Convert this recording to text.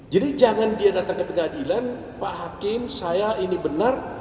jadi jangan dia datang ke pengadilan pak hakim saya ini benar